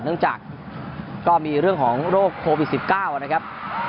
เนื่องจากก็มีเรื่องของโรคโควิด๑๙นะครับ